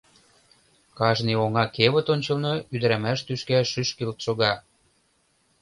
Кажне оҥа кевыт ончылно ӱдырамаш тӱшка шӱшкылт шога.